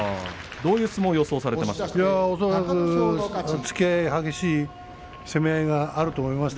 どういう相撲を予想していました？